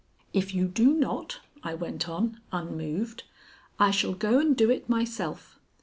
"If you do not," I went on, unmoved, "I shall go and do it myself.